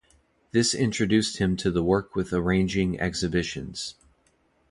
This introduced him to the work with arranging exhibitions.